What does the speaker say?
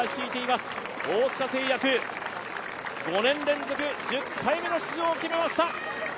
５年連続１０回目の出場を決めました